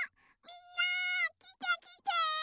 みんなきてきて！